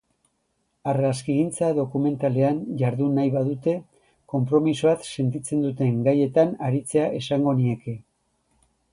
Argazkigintza dokumentalean jardun nahi badute, konpromisoa sentitzen duten gaietan aritzea esango nieke.